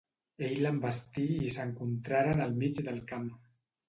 Ell l'envestí i s'encontraren al mig del camp.